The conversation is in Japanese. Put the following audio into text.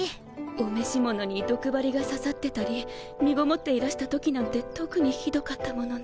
お召し物に毒針が刺さってたり身ごもっていらした時なんて特にひどかったものね。